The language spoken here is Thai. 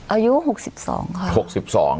อายุ๖๒ค่ะ